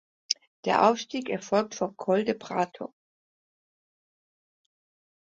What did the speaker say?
Der Aufstieg erfolgt vom Col de Prato.